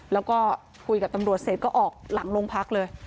แล้วก็คุยกับตำรวจเสร็จก็ออกหลังโรงพักเลย